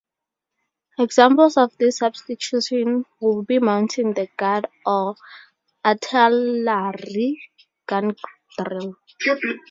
Examples of this substitution would be mounting the guard or artillery gun drill.